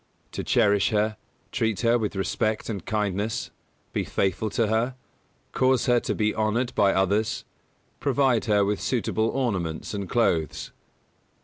To cherish her; treat her with respect and kindness; be faithful to her; cause her to be honoured by others; provide her with suitable ornaments and clothes.